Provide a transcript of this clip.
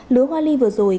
lứa hoa ly vừa rồi